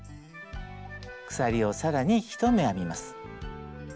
鎖を更に１目編みます。